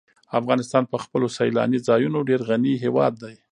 افغانستان په خپلو سیلاني ځایونو ډېر غني هېواد دی.